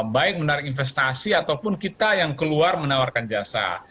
baik menarik investasi ataupun kita yang keluar menawarkan jasa